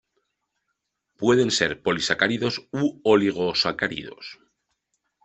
Pueden ser polisacáridos u oligosacáridos.